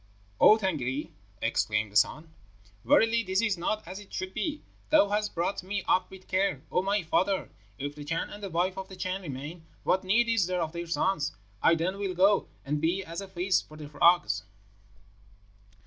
"'O Tângâri,' exclaimed the son, 'verily this is not as it should be! Thou hast brought me up with care, O my father! If the Chan and the wife of the Chan remain, what need is there of their son? I then will go, and be as a feast for the frogs.'